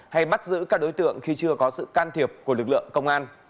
hay bắt giữ các đối tượng khi chưa có sự can thiệp của lực lượng công an